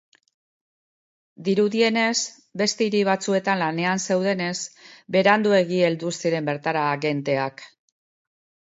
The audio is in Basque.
Dirudienez, beste hiri batzuetan lanean zeudenez, beranduegi heldu ziren bertara agenteak.